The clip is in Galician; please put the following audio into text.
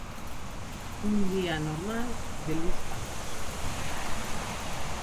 Un día normal de Luís Pazos.